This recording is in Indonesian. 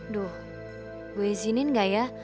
duh gue izinin nggak ya